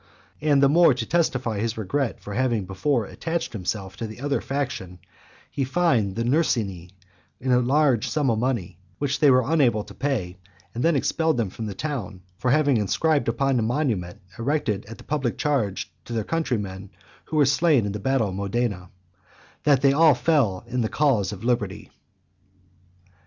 And the more to testify his regret for having before attached himself to the other faction, he fined the Nursini in a large sum of money, which they were unable to pay, and then expelled them from the town, for having inscribed upon a monument, erected at the public charge to their countrymen who were slain in the battle of Modena, "That they fell in the cause of liberty."